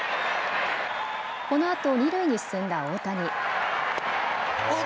このあと二塁に進んだ大谷。